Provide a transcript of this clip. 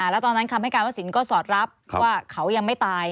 แล้วตอนนั้นคำให้การว่าสินก็สอดรับว่าเขายังไม่ตาย